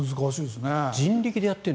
人力でやっている。